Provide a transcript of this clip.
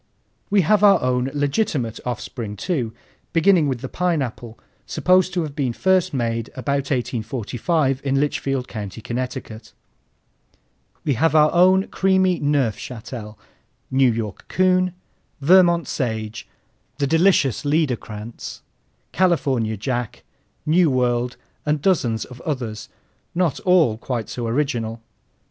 We have our own legitimate offspring too, beginning with the Pineapple, supposed to have been first made about 1845 in Litchfield County, Connecticut. We have our own creamy Neufchâtel, New York Coon, Vermont Sage, the delicious Liederkranz, California Jack, Nuworld, and dozens of others, not all quite so original.